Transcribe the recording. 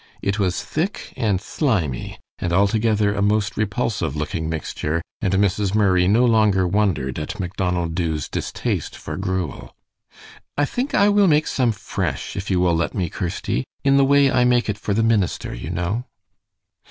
It was thick and slimy, and altogether a most repulsive looking mixture, and Mrs. Murray no longer wondered at Macdonald Dubh's distaste for gruel. "I think I will make some fresh, if you will let me, Kirsty in the way I make it for the minister, you know."